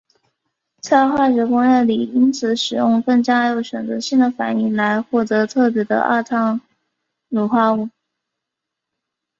在化学工业里因此使用更加有选择性的反应来获得特别的二碳卤化物。